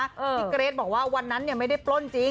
เกรทบอกว่าวันนั้นไม่ได้ปล้นจริง